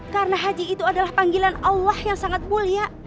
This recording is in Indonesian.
karena haji itu adalah panggilan allah yang sangat mulia